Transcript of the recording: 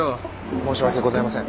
申し訳ございません。